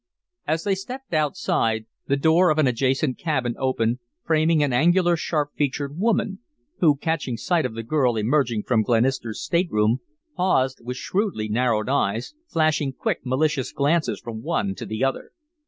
As they stepped outside, the door of an adjacent cabin opened, framing an angular, sharp featured woman, who, catching sight of the girl emerging from Glenister's state room, paused with shrewdly narrowed eyes, flashing quick, malicious glances from one to the other.